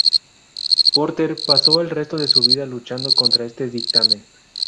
Porter pasó el resto de su vida luchando contra este dictamen.